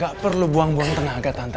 gak perlu buang buang tenaga tante